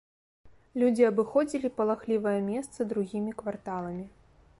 Людзі абыходзілі палахлівае месца другімі кварталамі.